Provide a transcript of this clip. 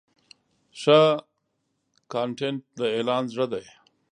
ښه کانټینټ د اعلان زړه دی.